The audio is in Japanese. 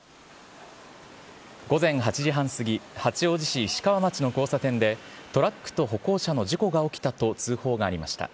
午前８時半過ぎ、八王子市石川町の交差点でトラックと歩行者の事故が起きたと通報がありました。